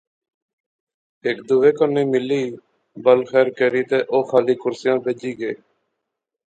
ہیک دوئے کنے ملی، بل خیر کری تے او خالی کرسئِں اوپر بیجی گئے